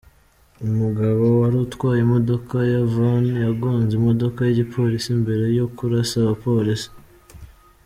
Umugabo warutwaye imodoka ya van yagonze imodoka y'igipolisi mbere yo kurasa abapolisi.